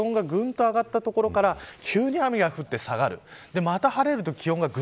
多少日差しがあって気温がぐんと上がったところから急に雨が降って下がる